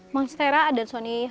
mengsitera adan soni'i varigata